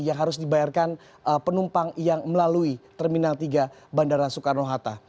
yang harus dibayarkan penumpang yang melalui terminal tiga bandara soekarno hatta